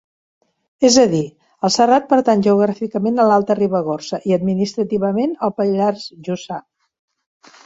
És a dir, el serrat pertany geogràficament a l'Alta Ribagorça i administrativament al Pallars Jussà.